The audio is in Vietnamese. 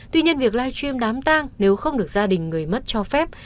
tuy nhiên việc live stream đám tang nếu không được gia đình người mất cho phép